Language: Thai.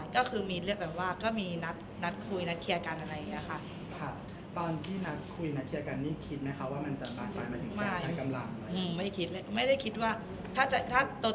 ค่ะแล้วที่เขาบอกว่าเบนไม่เกี่ยวกับแพทย์มันเป็นเรื่องกับหลานสาวทำไมยังอ้างชื่อแพทย์